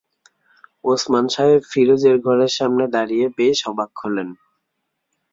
ওসমান সাহেব ফিরোজের ঘরের সামনে দাঁড়িয়ে বেশ অবাক হলেন।